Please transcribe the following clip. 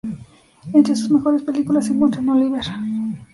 Entre sus mejores películas se encuentran "Oliver!